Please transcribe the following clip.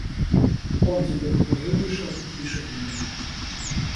Он теперь в тузы вышел и пишет мне.